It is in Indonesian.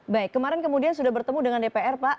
baik kemarin kemudian sudah bertemu dengan dpr pak